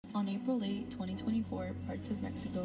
pada april delapan dua ribu dua puluh empat bagian dari meksiko